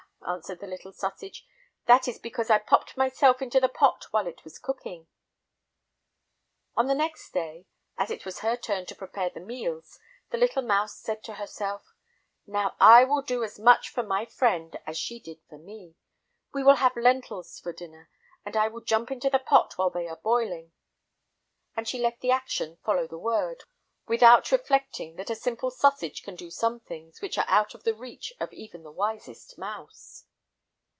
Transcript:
answered the little sausage, "that is because I popped myself into the pot while it was cooking." On the next day, as it was her turn to prepare the meals, the little mouse said to herself: "Now I will do as much for my friend as she did for me; we will have lentils for dinner, and I will jump into the pot while they are boiling," and she let the action follow the word, without reflecting that a simple sausage can do some things which are out of the reach of even the wisest mouse.